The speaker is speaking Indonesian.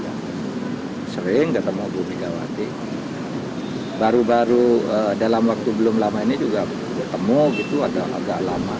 saya sering bertemu dengan bu megawati baru baru dalam waktu belum lama ini juga bertemu agak lama